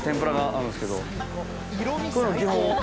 こういうの基本